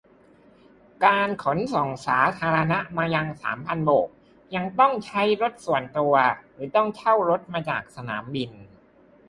การขนส่งสาธารณะมายังสามพันโบกยังต้องใช้รถส่วนตัว หรือ ต้องเช่ารถมาจากสนามบิน